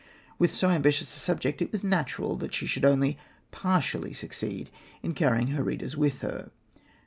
With so ambitious a subject, it was natural that she should only partially succeed in carrying her readers with her.